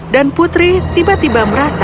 dan putri tiba tiba merasa